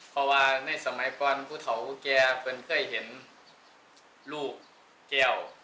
เพราะว่าในสมัยก่อนภูเขาแกเคยเห็นลูกแก้ว